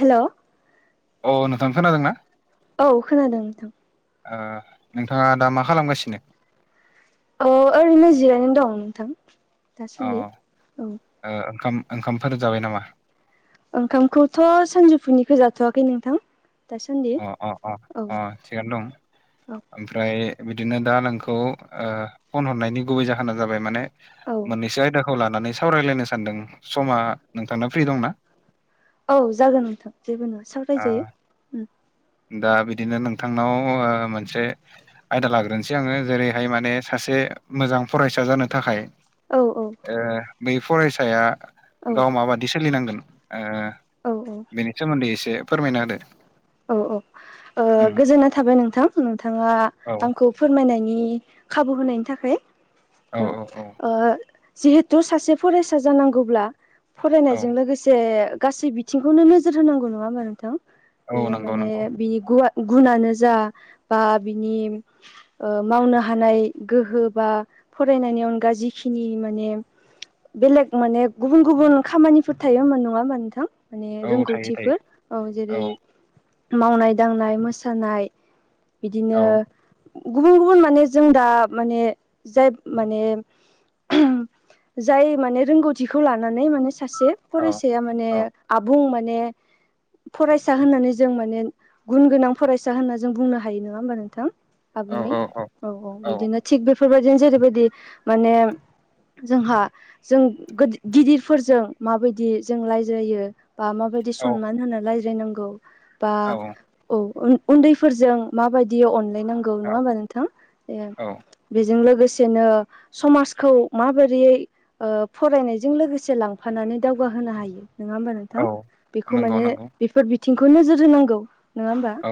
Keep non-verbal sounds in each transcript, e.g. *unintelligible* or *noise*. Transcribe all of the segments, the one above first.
हेल' अ नोंथां खोनादों ना? औ खोनादों नोंथां। ओ नोंथाङा दा मा खालामगासिनो? औ ओरैनो जिरायना दं नोंथां अ दासान्दि औ ओ खाम ओंखामफोर जाबाय नामा? ओंखामखौथ' सानजौफुनिखौ जाथ'वाखै नोंथां। दासान्दि अ अ अ औ अ थिगानो दं। औ ओमफ्राय बिदिनो दा नोंखौ ओ फन हरनायनि गुबै जाहोना जाबाय माने औ मोननैसो आयदाखौ लानानै सावरायलायनो सानदों समा नोंथांना फ्रि दंना? औ जागोन नोंथां जेबो नङा सावराय ओ जायो। दा बिदिनो नोंथांनाव ओ मोनसे आयदा लाग्रोनोसै आङो जेरैहाय माने सासे मोजां फरायसा जानो थाखाय औ औ ओ बै फरायसाया औ गाव माबादि सोलिनांगोन ओ औ औ बेनि सोमोन्दै एसे फोरमायना होदो औ औ ओ उम गोजोनना थाबाय नोंथां नोंथाङा औ खौ फोरमायनायनि खाबु होनायनि थाखाय औ औ औ जिहेथु सासे फरायसा जानांगौब्ला औ फरायनायजों लोगोसे गासै बिथिंखौनो नोजोर होनांगौ नङा होमबा नोंथां औ बेयो नंगौ माने नंगौ बिनि गुवा गुनानो जा बा बिनि ओ मावनो हानाय गोहो बा फरायनायनि अनगा जिखिनि माने बेलेग माने गुबुन गुबुन खामानिफोर थायो होमबा नङा होमबा नोंथां माने औ थायो थायो रोंगौथिफोर औ औ जेरै मावनाय दांनाय मोसानाय औ बिदिनो गुबुन गुबुन माने जों दा माने जाय माने जाय माने रोंगौथिखौ लानानै माने सासे औ फरायसाया माने औ आबुं माने फरायस सा होननानै जों माने गुन गोनां फरायसा होनना जों बुंनो हायो नङा होमबा नोंथां? आबुङै औ औ बिदिनो थिग बेफोरबायदिनो जेरैबायदि माने जोंहा जों गोदि गिदिरफोरजों माबायदि जों लायज्रायो बा माबायदि सनमान होनो रायज्रायनांगौ बा औ औ ओम उन्दैफोरजों माबायदि अनलायनांगौ नङा होमबा नोंथां ओ? औ बेजों लोगोसेनो समाजखौ माबोरैयै ओ फरायनायजों लोगोसे लांफानानै दावगाहोनो हायो नङा होमबा औ नोंथां औ बेखौ नंगौ माने नंगौ बेफोर बिथिंखौ नोजोर होनांगौ नङा होमबा औ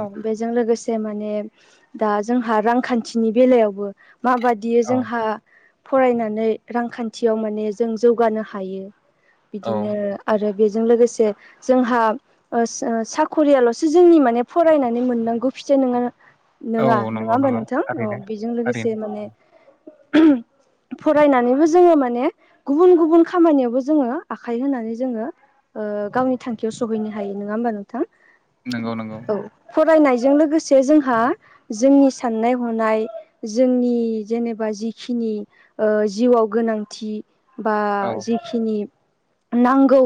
औ बेजों लोगोसे माने दा जोंहा रांखान्थिनि बेलायावबो माबायदि बि औ जोंहा फरायनानै रांखान्थियाव माने जों जौगानो हायो औ बिदिनो आरो बेजों लोगोसे जोंहा साखरियाल'सो जोंनि माने फरायनानै मोननांगौ फिथाइ नङा औ नोङा नङा नंगौ होमबा नंगौ नोंथां औ थारैनो बेजों थारैनो लोगोसे माने फरायनानैबो जोङो माने गुबुन गुबुन खामानियावबो जोङो आखाइ होनानै जोङो ओ गावनि थांखियाव सहैनो हायो नङा होमबा नोंथां नंगौ नंगौ औ फरायनायजों लोगोसे जोंहा जोंनि साननाय हनाय जोंनि जेनेबा जिखिनि ओ जिउआव गोनांथि बा औ जिखिनि नांगौ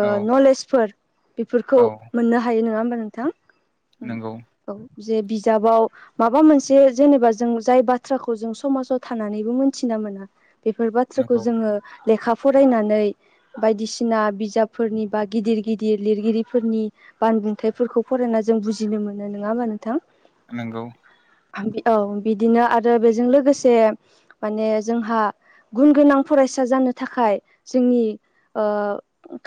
औ नलेजफोर बेफोरखौ औ मोननो हायो नङा होमबा नोंथां? उम नंगौ औ जे बिजाबाव माबा मोनसे जेनेबा जों जाय बाथ्राखौ जों समाजाव थानानैबो मोन्थिना मोना बेफोर बाथ्राखौ नंगौ जोङो लेखा फरायनानै बायदिसिना बिजाबफोरनि बा गिदिर गिदिर लिरगिरिफोरनि बानबुंथाइफोरखौ फरायना जों बुजिनो मोनो नङा होमबा नोंथां नोंगौ औ बिदिनो आरो बेजों लोगोसे माने जोंहा गुन गोनां फरायसा जानो थाखाय जोंनि ओ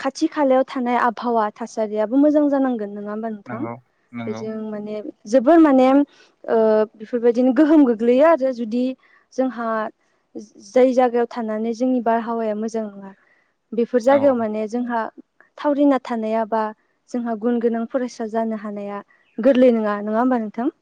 खाथि खालायाव थानाय आब आबहावा थासारियाबो मोजां जानांगोन नङा होमबा नोंथां नंगौ नंगौ बेजों माने जोबोर माने ओ बेफोरबायदिनो गोहोम गोग्लैयो आरो जुदि जोंहा जाय जायगायाव थानानै जोंनि बारहावाया मोजां नङा बेफोर औ जायगायाव माने जोंहा थावरिना थानाया बा जोंहा गुन गोनां फरायसा जानो हानाया गोरलै नङा नङा होमबा नोंथां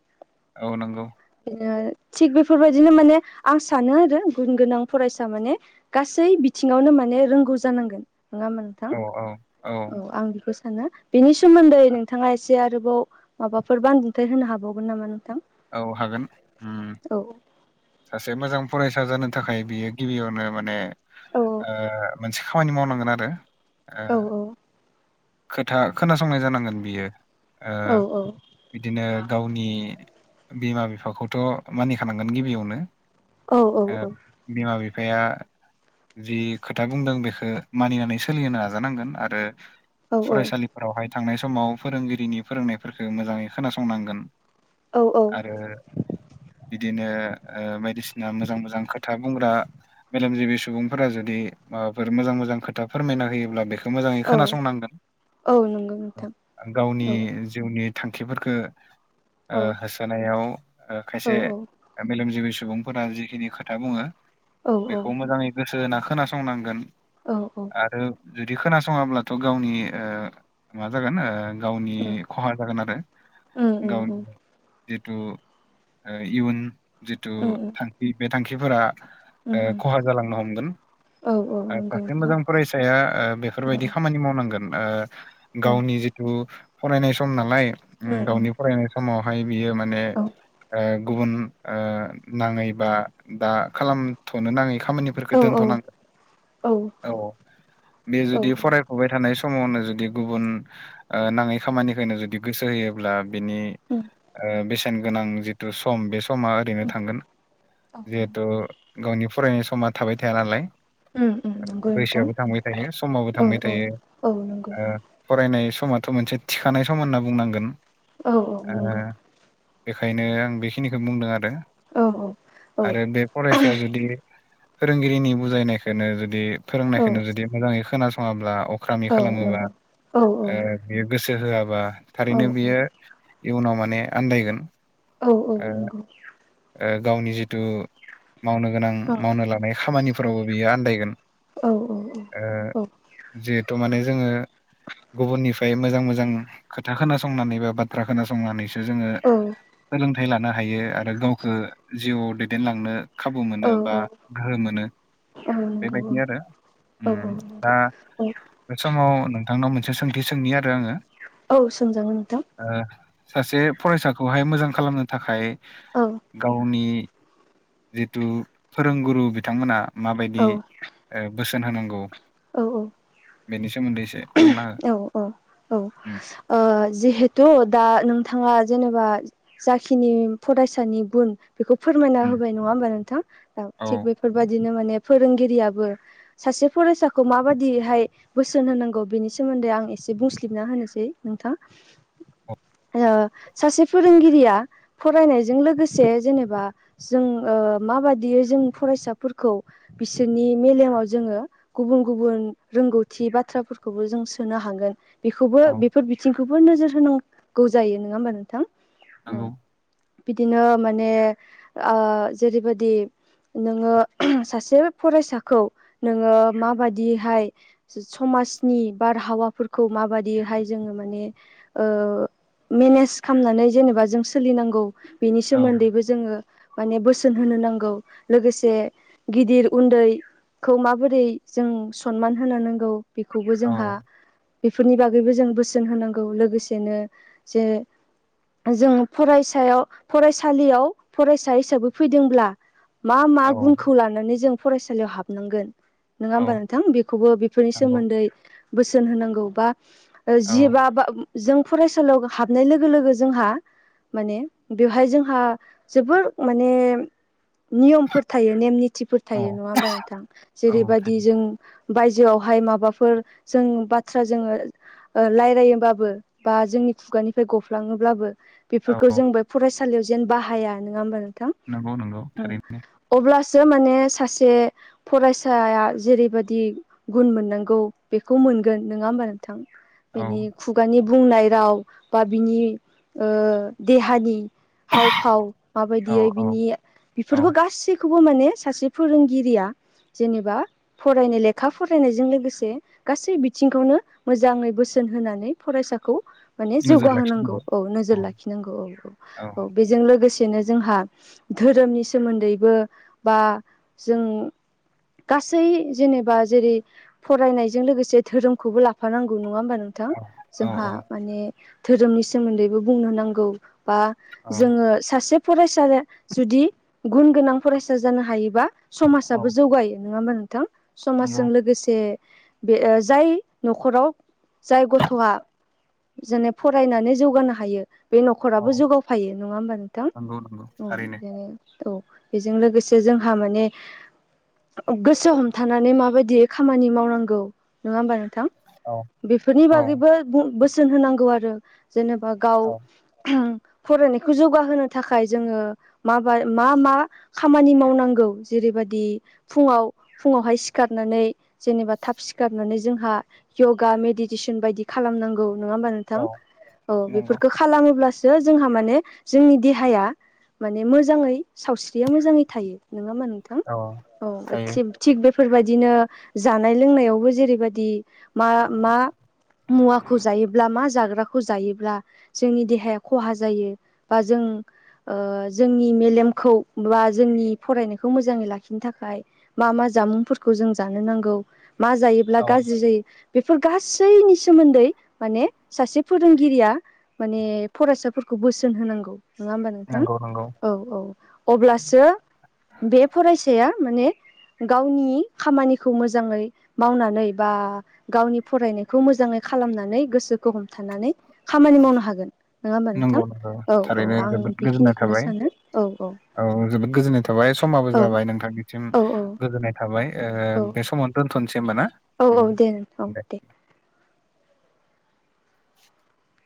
औ नंगौ *unintelligible* थिग बेफोरबायदिनो माने आं सानो आरो गुन गोनां फरायसा माने गासै बिथिङावनो माने रोंगौ जानांगोन *unintelligible* औ औ औ। आं बेखौ सानो। बेनि सोमोन्दै नोंथाङा एसे आरोबाव माबाफोर बान्दुंथाय होनो हाबावगोन नामा नोंथां? औ हागोन। उम औ। सासे मोजां फरायसा जानो थाखाय बियो गिबियावनो माने ओ औ मोनसे खामानि मावनांगोन आरो ओ खोथा खोनासंनाय जानांगोन बियो ओ बिदिनो गावनि बिमा बिफाखौथ' मानिखानांगोन गिबियावनो औ ओ बिमा बिफाया जि खोथा बुंदों बेखौ मानिनानै सोलिहोनो नाजानांगोन आरो औ फरायसालिफोरावहाय थांनाय समाव फोरोंगिरिनि फोरोंनायफोरखौ मोजाङै खोनासंनांगोन आरो बिदिनो बायदिसिना मोजां मोजां खोथा बुंग्रा मेलेमजिबि सुबुंफोरा जुदि माबाफोर मोजां मोजां खोथा फोरमायना होयोब्ला बेखौ मोजाङै खोनासंनांगोन गावनि जिउनि थांखिफोरखौ होसोनायाव ओ खायसे मेलेमजिबि सुबुंफोरा जिखिनि खोथा बुङो उम बेखौ उम मोजाङै गोसो होना खोनासंनांगोन। औ औ। आरो जुदि खोनासङाब्लाथ' गावनि ओ मा जागोन ओ गावनि खहा जागोन आरो उम गावनि। जिथु इयुन जिथु उम उम थांखि बे थांखिफोरा ओ उम खहा जालांनो हमगोन औ औ नंगौ सासे नोंथां मोजां फरायसाया ओ बेफोरबायदि खामानि मावनांगोन ओ उम गावनि जिथु फरायनाय सम नालाय उम गावनि फरायनाय समावहाय बियो माने औ ओ गुबुन ओ नाङै बा दा खालामथ'नो नाङै खामानि फोरखौ औ दोनथ'नांगोन औ बे औ जुदि उम फराय फुबाय थानाय समावनो जुदि गुबुन नाङै खामानिखौनो जुदि गोसो होयोब्ला बिनि ओ बेसेन गोनां जिथु सम बे स समा ओरैनो थांगोन उम जिहेथु गावनि फरायनाय समा थाबाय थाया नालाय। उम नंगौ नोंथां बैसोआवबो थांबाय थायो समाबो औ थांबाय औ थायो औ नंगौ ओ फरायनाय समाथ' मोनसे थिखानाय सम होनना बुंनांगोन औ औ ओ नंगौ बेखायनो आं बेखिनिखौ बुंदों आरो। औ औ आरो बे फरायसाया जुदि फोरोंगिरिनि बुजायनायखोनो जुदि फोरोंनायखौनो जुदि मोजाङै खोनासङाब्ला अक्रामि औ खालामोबा नंगौ औ ओ बेयो गोसो होआबा औ थारैनो बियो इयुनाव माने आन्दायगोन। औ औ ओ नंगौ। ओ गावनि जिथु मावनो गोनां औ मावनो लानाय खामानिफोरावबो बियो आन्दायगोन। औ औ ओ औ औ। जिहेथु माने जोङो गुबुननिफ्राय मोजां मोजां खोथा खोनासंनानै बा बाथ्रा खोनासंनानै जोङो औ सोलोंथाइ लानो हायो आरो गावखौ जिउआव दैदेनलांनो खाबु औ मोनो बा औ गोहो मोनो। बेबायदि नंगौ आरो औ उम औ नंगौ औ दा बे समाव नोंथांनाव मोनसे सोंथि सोंनि आरो आङो। *inaudible* औ सोंजागोन नोंथां। ओ सासे फरायसाखौहाय मोजां खालामनो थाखाय औ गावनि जिथु फोरोंगुरु बिथांमोना औ माबायदि ओ बोसोन होनांगौ। औ औ। बेनि सोमोन्दै एसे बुंना हो औ औ औ उम ओ जिहेथु दा नोंथाङा जेनेबा जाखिनि फरायसानि गुन बेखौ फोरमायना उम होबाय नङा होमबा नोंथां औ थिग बे बेफोरबादिनो माने फोरोंगिरियाबो सासे फरायसाखौ माबादिहाय बोसोन होनांगौ बेनि स सोमोन्दै आं एसे बुंस्लिबना होनोसै नोंथां। औ ओ सासे फोरोंगिरिया फरायनायजों लोगोसे जेनेबा जों ओ माबादियै जों फरायसाफोरखौ बिसोरनि मेलेमाव जोङो गुबुन गुबुन रोंगौथि बाथ्राफोरखौबो जों सो सोनो हागोन बेखौबो औ बेफोर बिथिंखौबो नोजोर होनांगौ जायो नङा होमबा नोंथां? नंगौ बिदिनो माने ओ जेरैबादि नोङो सासे फरायसाखौ नोङो माबादिहाय समाजनि बारहावाफोरखौ माबादिहाय जोङो माने ओ मेनेज खामनानै जेनेबा जों सोलिनांगौ बेनि औ सोमोन्दैबो जोङो माने बोसोन होनो नांगौ लोगोसे गिदिर उन्दै खौ माबोरै जों सनमान होनो नांगौ बिखौबो जोंहा औ बेफोरनि बागैबो जों बोसोन होनांगौ लोगोसेनो जे जों फरायसायाव फरायसालियाव फरायसा हिसाबै फैदोंब्ला मा मा औ गुनखौ लानानै जों फरायसालियाव हाबनांगोन। नोङा औ होमबा नोंथां बेखौबो बेफोरनि नंगौ सोमोन्दै बोसोन होनांगौ बा ओ औ जि बा बा जों फरायसालियाव हाबनाय लोगो लोगो जोंहा माने बेवहाय जोंहा जोबोर माने नियमफोर थायो नेम निथिफोर औ थायो नङा होमबा नोंथां? औ जेरैबायदि थायो जों बायजोआवहाय माबाफोर जों बाथ्रा जोङो ओ रायलायोबाबो बा जोंनि खुगानिफ्राय गफ्लाङोब्लाबो औ बेफोरखौ औ जोंबो बे फरायसालियाव जेन बाहाया नोङा होमबा नोंथां? नंगौ नंगौ उम थारैनो। अब्लासो माने सासे फरायसाया जेरैबादि गुन मोननांगौ बेखौ मोनगोन नङा होमबा नोंथां? औ बेनि खुगानि बुंनाय राव बा बिनि ओ देहानि हाव फाव औ माबायदियै औ बिनि औ बेफोरखौ गासिख खौबो माने सासे फोरोंगिरिया जेनेबा फरायनाय लेखा फरायनायजों लोगोसे गासै बिथिंखौनो मोजाङै बोसोन होनानै फरायसाखौ माने नोजोर जौगाहोनांगौ लाखिनांगौ औ नोजोर लाखिनांगौ औ औ औ। बेजों लोगोसेनो जोंहा धोरोमनि सोमोन्दैबो बा जों गासै जेनेबा जेरै फरायनाय जों लोगोसे धोरोमखौबो लाफानांगौ नङा होमबा नोंथां? औ जोंहा औ माने धोरोमनि सोमोन्दैबो बुंनो नांगौ बा औ जोङो सासे फरायसाया जुदि गुन गोनां फरायसा जानो हायोबा समाजाबो औ जौगायो नङा होमबा नोंथां? नंगौ समाजजों लोगोसे बे ओ जाय न'खराव जाय गथ'आ जोने फरायनानै जौगानो हायो। बे औ न'खराबो जौगावफायो नङा होमबा नोंथां? नंगौ नंगौ औ थारैनो नोंगौ। औ बेजों लोगोसे जोंहा माने गोसो हमथानानै माबायदि खामानि मावनांगौ नङा होमबा नोंथां? औ बेफोरनि औ बागैबो बु बोसोन होनांगौ आरो जेनेबा गाव औ फरायनायखौ जौगाहोनो थाखाय जोङो माबाय मा मा खामानि मावनांगौ जेरैबादि फुङाव फुङावहाय सिखारनानै जेनेबा थाफ सिखारनानै जोंहा य'गा मेडिटेसन बायदि खालामनांगौ नङा होमबा नों थां औ औ नंगौ बेफोरखौ खालामोब्लासो जोंहा माने जोंनि देहाया माने मोजाङै सावस्रिया मोजाङै थायो नंङा ओम नोंथां औ औ थायो थिब थिख बेफोरबायदिनो जानाय लोंनायावबो जेरैबादि मा मा मुवाखौ जायोब्ला मा जाग्राखौ जायोब्ला जोंनि देहाया खहा जायो। बा जों ओ जोंनि मेलेमखौ बा जोंनि फरायनायखौ मोजाङै लाखिनो थाखाय मा मा जामुंफोरखौ जों जानो नांगौ मा जायोब्ला औ गाज्रि जायो। बेफोर गासैनि सोमोन्दै माने सासे फोरोंगिरिया माने फरायसाफोरखौ बोसोन होनांगौ नङा होमबा नोंथां? नंगौ नंगौ औ औ अब्लासो बे फरायसाया माने गावनि खामानिखौ मोजां जाङै मावनानै बा गावनि फरायनायखौ मोजांङै खालामनानै गोसोखौ हमथानानै खामानि मावनो हागोन, नंङा होमबा नंगौ नोंथां? नंगौ औ औ थारैनो आं जोबोद गोजोननाय बेखिनिखौनो थाबाय सानो औ औ। औ जोबोद गोजोननाय थाबाय समाबो औ जाबाय नोंथांनिसिम औ गोजोननाय थाबाय ओ औ बे समाव दोनथ'नोसै होनबा ना? औ औ दे उम। औ दे। *inaudible*